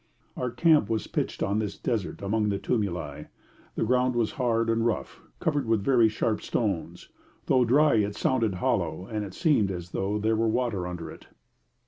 Our camp was pitched on this desert among the tumuli. The ground was hard and rough, covered with very sharp stones; though dry, it sounded hollow, and it seemed as though there were water under it.